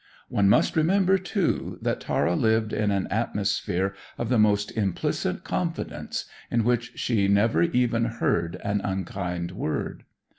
One must remember, too, that Tara lived in an atmosphere of the most implicit confidence, in which she never even heard an unkind word.